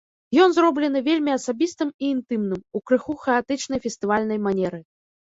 Ён зроблены вельмі асабістым і інтымным, у крыху хаатычнай фестывальнай манеры.